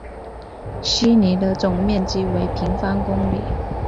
希尼的总面积为平方公里。